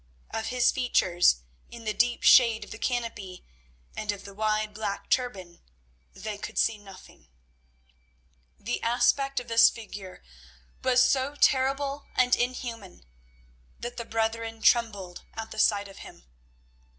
Of his features, in the deep shade of the canopy and of the wide black turban, they could see nothing. The aspect of this figure was so terrible and inhuman that the brethren trembled at the sight of him.